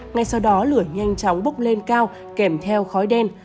ngay sau đó lửa nhanh chóng bốc lên cao kèm theo khói đen